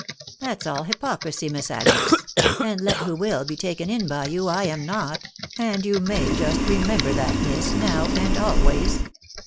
" That's all hypocrisy, Miss Agnes ; <end let who wul as taken in by you, I am not .... and you may just remembe that, miss, now and always.